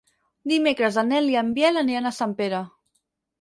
Dimecres en Nel i en Biel aniran a Sempere.